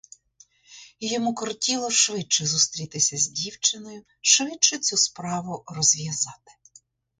І йому кортіло швидше зустрітися з дівчиною, швидше цю справу розв'язати.